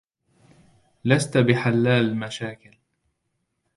لست بحلال مشاكل.